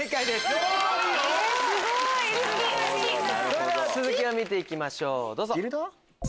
それでは続きを見て行きましょうどうぞ。